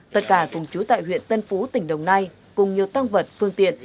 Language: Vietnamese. tất cả cùng chú tại huyện tân phú tỉnh đồng nai cùng nhiều tăng vật phương tiện